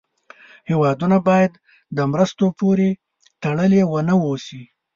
هېوادونه باید د مرستو پورې تړلې و نه اوسي.